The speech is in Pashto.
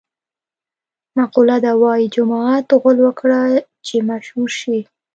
مقوله ده: وايي جومات غول وکړه چې مشهور شې.